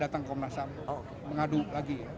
datang komnas ham mengadu lagi